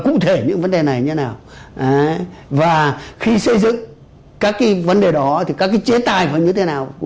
cũng như các hành vi vi phạm pháp luật khác trên môi trường mạng